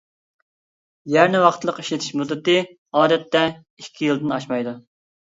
يەرنى ۋاقىتلىق ئىشلىتىش مۇددىتى ئادەتتە ئىككى يىلدىن ئاشمايدۇ.